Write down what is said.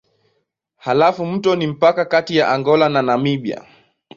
Halafu mto ni mpaka kati ya Angola na Namibia.